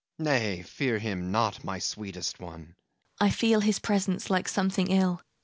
MARGARET I feel his presence like something ill.